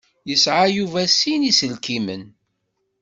Yesεa Yuba sin iselkimen.